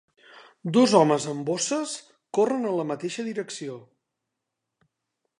Dos homes amb bosses corren en la mateixa direcció.